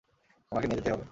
আমাকে নিয়ে যেতেই হবে।